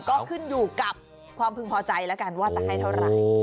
ก็ขึ้นอยู่กับความพึงพอใจแล้วกันว่าจะให้เท่าไหร่